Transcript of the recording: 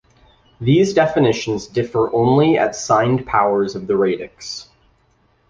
These definitions differ only at signed powers of the radix.